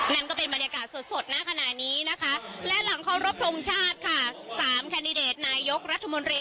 นั่นก็เป็นบริการสดนะคะ